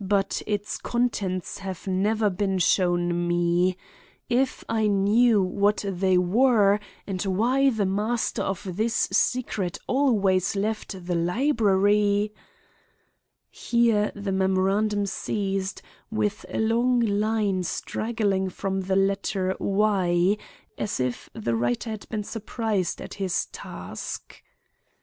But its contents have never been shown me. If I knew what they were and why the master of this secret always left the library—" Here the memorandum ceased with a long line straggling from the letter y as if the writer had been surprised at his task.